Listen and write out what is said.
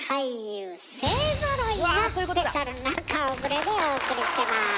スペシャルな顔ぶれでお送りしてます。